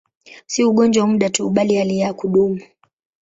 Si ugonjwa wa muda tu, bali hali ya kudumu.